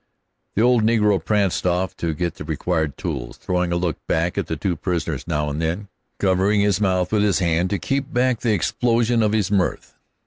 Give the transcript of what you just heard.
The old negro pranced off to get the required tools, throwing a look back at the two prisoners now and then, covering his mouth with his hand to keep back the explosion of his mirth.